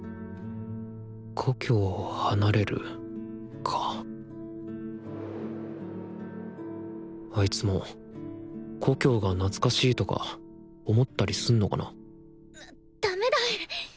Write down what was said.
故郷を離れるかあいつも故郷が懐かしいとか思ったりすんのかなダメだ！